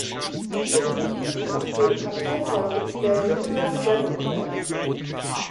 Sie bewirbt sich um den Parteivorsitz der Liberal Democrats.